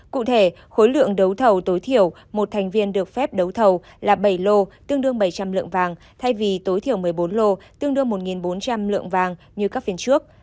cụ thể khối lượng đấu thầu tối thiểu một thành viên được phép đấu thầu là bảy lô tương đương bảy trăm linh lượng vàng thay vì tối thiểu một mươi bốn lô tương đương một bốn trăm linh lượng vàng như các phiên trước